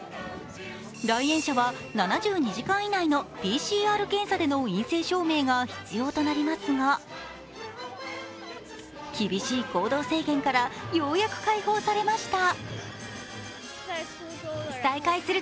来園者は７２時間以内のＰＣＲ検査での陰性証明が必要となりますが厳しい行動制限から、ようやく解放されました。